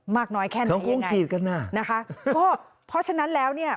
มากน้อยแค่ไหนนะคะก็เพราะฉะนั้นแล้วเนี่ย